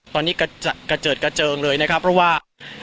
ตอนนี้กระเจิดกระเจิงเลยนะครับเพราะว่า